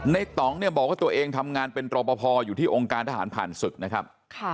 ต่องเนี่ยบอกว่าตัวเองทำงานเป็นรอปภอยู่ที่องค์การทหารผ่านศึกนะครับ